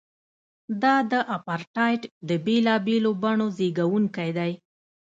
دا د اپارټایډ د بېلابېلو بڼو زیږوونکی دی.